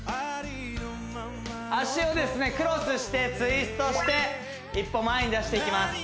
脚をクロスしてツイストして一歩前に出していきます